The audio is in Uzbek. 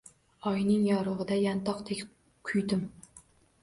Oyning yorugʻida, yantoqdek kuydim